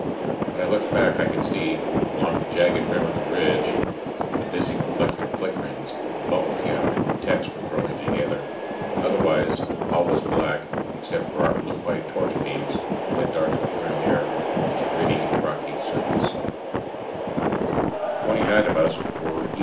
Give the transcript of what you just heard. When I looked back, I could see, along the jagged rim of the ridge, the busy reflected flickerings of the bubble camp the techs were throwing together. Otherwise all was black, except for our blue white torch beams that darted here and there over the gritty, rocky surface. The twenty nine of us were E.